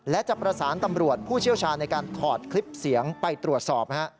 และจะประสานตำรวจผู้เชี่ยวชาญในการถอดคลิปเสียงไปตรวจสอบ